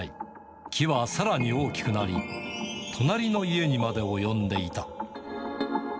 木はさらに大きくなり、隣の家にまで及んでいた。